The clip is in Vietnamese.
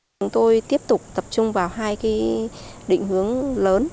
chúng tôi tiếp tục tập trung vào hai định hướng lớn